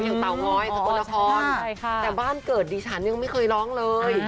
เตางอยสกลนครแต่บ้านเกิดดิฉันยังไม่เคยร้องเลย